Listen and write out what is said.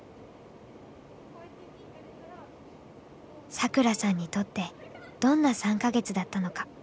サクラさんにとってどんな３か月だったのか。